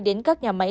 đến các nhà máy